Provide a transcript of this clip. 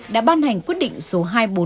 đã ban hành quyết định số hai